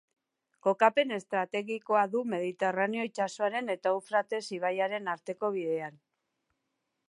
Kokapen estrategikoa du Mediterraneo itsasoaren eta Eufrates ibaiaren arteko bidean.